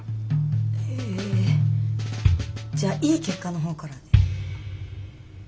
えじゃあいい結果の方からで。